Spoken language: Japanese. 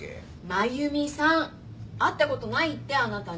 真由美さん会ったことないってあなたに。